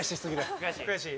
・悔しい？